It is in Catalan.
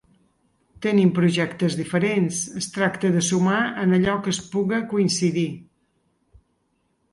Tenim projectes diferents, es tracta de sumar en allò que es puga coincidir.